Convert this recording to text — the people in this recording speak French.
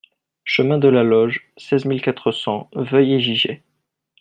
Chemin de la Loge, seize mille quatre cents Vœuil-et-Giget